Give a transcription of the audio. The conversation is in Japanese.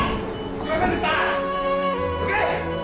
・すいませんでしたどけ！